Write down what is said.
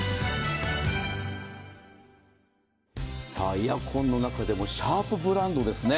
エアコンの中でもシャープブランドですね。